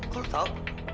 kok lo tau